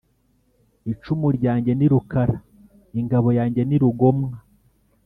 icumu ryange ni rukara , ingabo yange ni rugomwa,